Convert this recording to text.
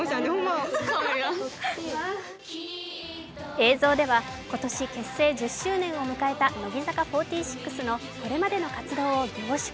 映像では今年１０周年を迎えた乃木坂４６のこれまでの活動を凝縮。